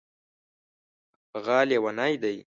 هغه لیونی دی